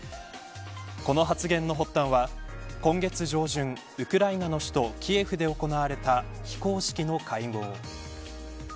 この発言の発端は今月上旬、ウクライナの首都キエフで行われた非公式の会合。